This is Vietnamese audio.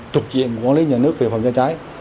tục diện của quán lý nhà nước về phòng cháy cháy